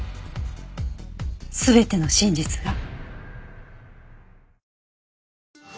全ての真実が。